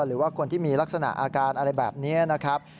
หรือว่าคนที่มีลักษณะอาการอะไรแบบนี้นะครับ